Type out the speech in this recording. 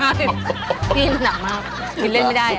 พี่น่ากมากดิเร่นไม่ได้